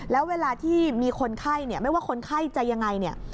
แล้วเวลาที่มีคนไข้เนี่ยไม่ว่าคนไข้จะยังไงเนี่ย